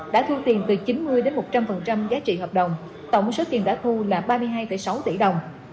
đã thu tiền từ chín mươi một trăm linh giá trị hợp đồng tổng số tiền đã thu là ba mươi hai sáu tỷ đồng